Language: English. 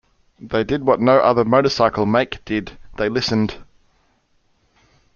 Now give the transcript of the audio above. They did what no other motorcycle make did-they listened.